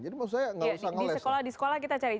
jadi maksud saya enggak usah ngeles di sekolah kita